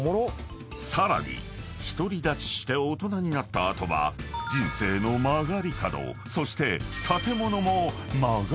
［さらに独り立ちして大人になった後は人生の曲がり角そして建物も曲がり角］